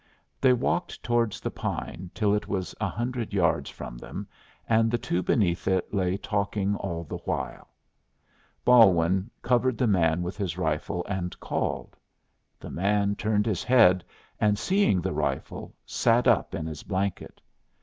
They walked towards the pine till it was a hundred yards from them, and the two beneath it lay talking all the while. Balwin covered the man with his rifle and called. The man turned his head, and seeing the rifle, sat up in his blanket.